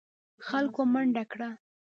خلکو منډه کړه.